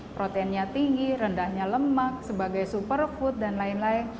proteinnya tinggi rendahnya lemak sebagai superfood dan lain lain